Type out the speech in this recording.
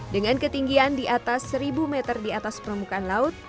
dengan ketinggian di atas seribu meter di atas permukaan laut